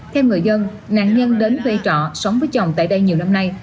theo người dân nạn nhân đến thuê trọ sống với chồng tại đây nhiều năm nay